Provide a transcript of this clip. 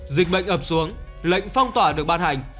dịch bệnh ập xuống lệnh phong tỏa được ban hành